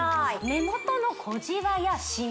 目元の小ジワやシミ